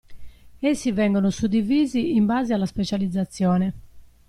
Essi vengono suddivisi in base alla specializzazione.